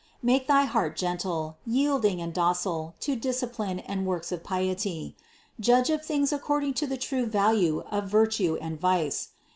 Make thy heart gentle, yielding and docile to discipline and works of piety. Judge of things according to the true value of virtue and vice.